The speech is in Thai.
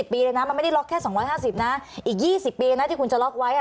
ปีเลยนะมันไม่ได้ล็อกแค่๒๕๐นะอีก๒๐ปีนะที่คุณจะล็อกไว้